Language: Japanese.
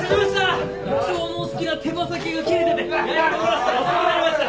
部長のお好きな手羽先が切れてて焼いてもらってたら遅くなりました。